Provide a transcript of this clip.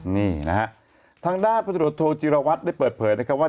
นี่นะฮะทางด้านปฏิบัติโทษโจรวัติได้เปิดเผยนะครับว่า